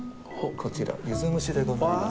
こちら、柚子蒸しでございます。